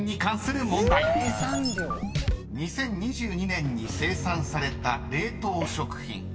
［２０２２年に生産された冷凍食品］